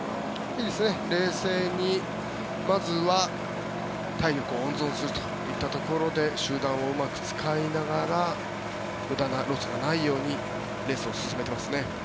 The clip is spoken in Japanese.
冷静にまずは体力を温存するといったところで集団をうまく使いながら無駄なロスがないようにレースを進めていますね。